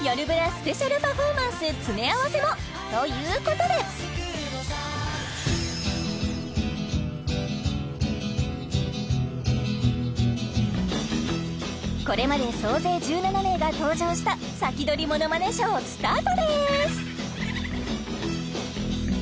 スペシャルパフォーマンス詰め合わせも！ということでこれまで総勢１７名が登場したサキドリものまねＳＨＯＷスタートです